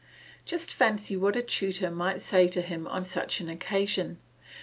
Just fancy what a tutor might say to him on such an occasion.